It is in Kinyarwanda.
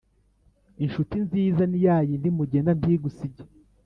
Inshuti nziza niyayindi mugenda ntigusige